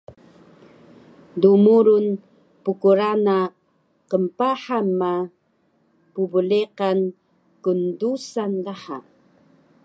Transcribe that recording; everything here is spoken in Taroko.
dmurun pkrana knpahan ma pbleqan kndusan daha